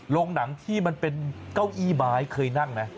โรงหนังที่มันเป็นเก้าอี้ไม้เคยนั่งไหม